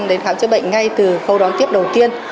đến khám chữa bệnh ngay từ khâu đón tiếp đầu tiên